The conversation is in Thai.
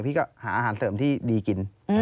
พี่ก็หาอาหารเสริมที่ดีกิน